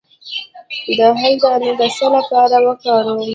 د هل دانه د څه لپاره وکاروم؟